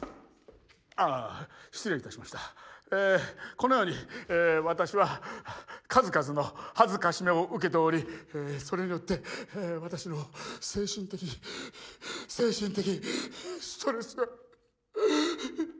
このように私は数々の辱めを受けておりそれによって私の精神的精神的ストレスは。